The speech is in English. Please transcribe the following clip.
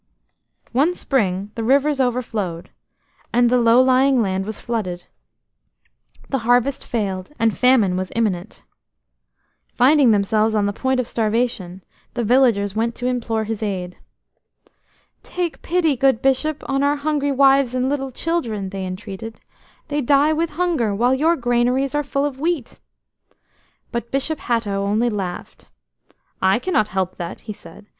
One spring the rivers overflowed, and the low lying land was flooded. The harvest failed, and famine was imminent. Finding themselves on the point of starvation, the villagers went to implore his aid. "Take pity, good Bishop, on our hungry wives and little children," they entreated. "They die with hunger while your granaries are full of wheat." But Bishop Hatto only laughed. "I cannot help that," he said.